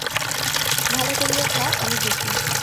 ভালো করিয়া খা, আমি দেখি।